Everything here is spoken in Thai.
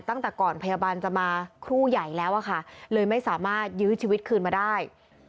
ตั้งแต่ก่อนพยาบาลจะมาครู่ใหญ่แล้วอะค่ะเลยไม่สามารถยื้อชีวิตคืนมาได้